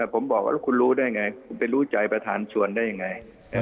ผมบอกว่าคุณรู้ได้ไงคุณไปรู้ใจประธานชวนได้ยังไง